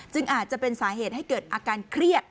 อาจจะเป็นสาเหตุให้เกิดอาการเครียด